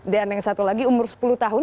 dan yang satu lagi umur sepuluh tahun